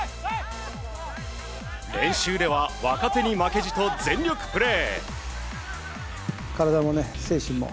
練習では若手に負けじと全力プレー。